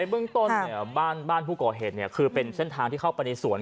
เบื้องต้นเนี่ยบ้านผู้ก่อเหตุคือเป็นเส้นทางที่เข้าไปในสวน